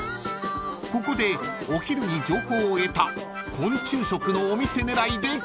［ここでお昼に情報を得た昆虫食のお店狙いで聞き込み］